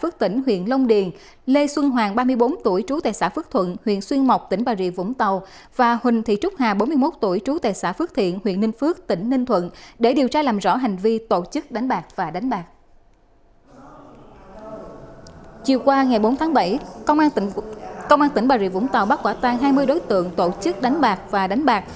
công an tỉnh bà rịa vũng tàu bắt quả tang hai mươi đối tượng tổ chức đánh bạc và đánh bạc